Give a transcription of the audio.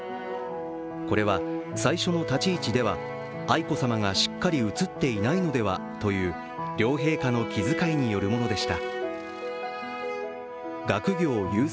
これは、最初の立ち位置では愛子さまがしっかり映っていないのではという両陛下の気遣いによるものでした。